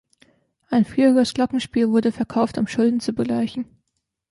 Ein früheres Glockenspiel wurde verkauft, um Schulden zu begleichen.